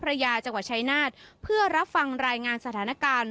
เจ้าพระยาจังหวัดใช๊นาฏเพื่อรับฟังรายงานสถานการณ์